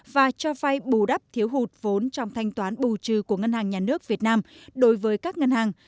và cho vay bù đắp thiếu hụt vốn trong thanh toán bù trừ của ngân hàng nhà nước việt nam đối với các ngân hàng